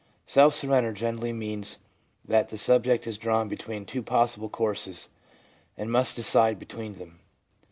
Self surrender generally means that the subject is drawn between two possible courses, and must decide between them.